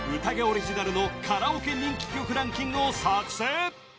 オリジナルのカラオケ人気曲ランキングを作成